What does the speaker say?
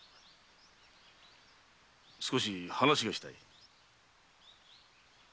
少し話がしたい。